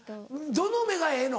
どの目がええの？